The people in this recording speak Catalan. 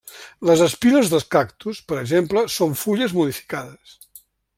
Les espines dels cactus, per exemple, són fulles modificades.